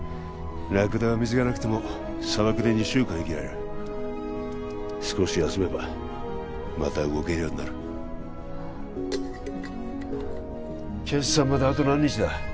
ラクダは水がなくても砂漠で２週間生きられる少し休めばまた動けるようになる決算まであと何日だ？